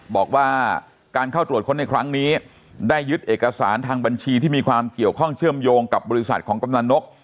บอกว่าการเข้าตรวจค้นในครั้งนี้ได้ยึดเอกสารทางบัญชีที่มีความเกี่ยวข้องเชื่อมโยงกับบริษัทของกำลังนก